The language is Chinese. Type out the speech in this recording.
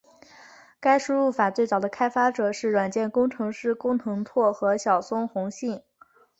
该输入法最早的开发者是软件工程师工藤拓和小松弘幸。